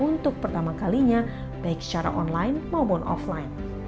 pengalaman yang sama kalinya baik secara online maupun offline